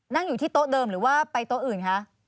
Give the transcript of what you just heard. นั่งอยู่ที่โต๊ะเดิมหรือว่าไปโต๊ะอื่นคะ